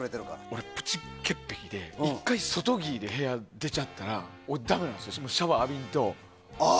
俺、プチ潔癖で１回、外着で外に出ちゃったらダメなんです、シャワー浴びんと。